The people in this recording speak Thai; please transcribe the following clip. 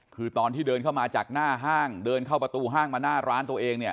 คือตอนที่เดินเข้ามาจากหน้าห้างเดินเข้าประตูห้างมาหน้าร้านตัวเองเนี่ย